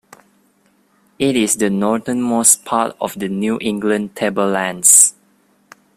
It is the northernmost part of the New England Tablelands.